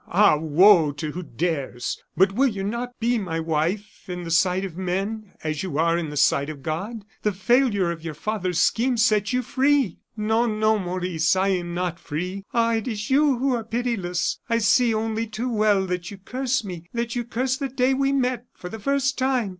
Ah! woe to who dares! But will you not now be my wife in the sight of men, as you are in the sight of God? The failure of your father's scheme sets you free!" "No, no, Maurice, I am not free! Ah! it is you who are pitiless! I see only too well that you curse me, that you curse the day when we met for the first time!